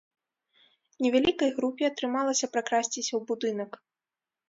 Невялікай групе атрымалася пракрасціся ў будынак.